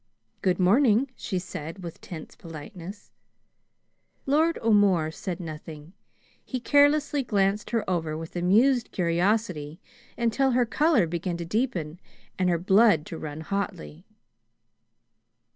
"Good morning," she said with tense politeness. Lord O'More said nothing. He carelessly glanced her over with amused curiosity, until her color began to deepen and her blood to run hotly.